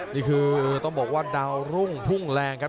นี่คือต้องบอกว่าดาวรุ่งพุ่งแรงครับ